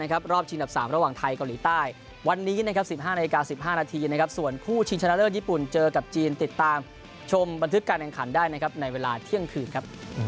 ครับรอบทีนี้๑๕นาทีเจอกับจีนาวิทยาลืนนะครับ